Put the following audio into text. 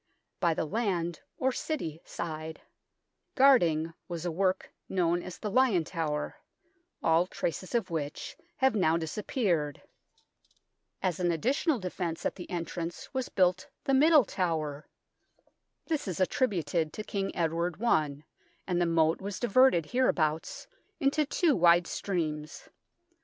By the land (or City) side, guarding, was a work known as the Lion Tower, all traces of which have now dis appeared. As an additional defence at the THE FORTRESS 21 entrance was built the Middle Tower. This is attributed to King Edward I, and the moat was diverted hereabouts into two wide streams.